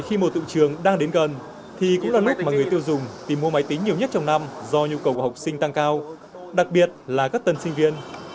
khi mùa tự trường đang đến gần thì cũng là lúc mà người tiêu dùng tìm mua máy tính nhiều nhất trong năm do nhu cầu của học sinh tăng cao đặc biệt là các tân sinh viên